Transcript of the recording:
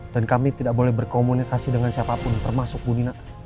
dan kami tidak boleh berkomunikasi dengan siapapun termasuk bu nina